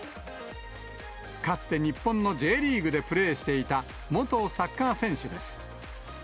かつて日本のＪリーグでプレーしていた元サッカー選手です。